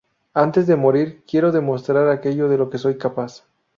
Antes de morir, quiero demostrar aquello de lo que soy capaz.